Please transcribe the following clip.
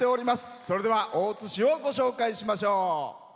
それでは、大津市をご紹介しましょう。